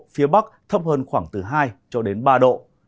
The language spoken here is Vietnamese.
phía bắc thấp hơn khoảng từ hai ba độ